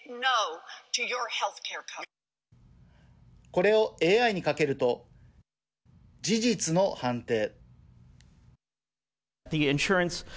これをＡＩにかけると事実の判定。